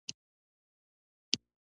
نا امني د ولسواکۍ ارزښتونو ته خطر دی.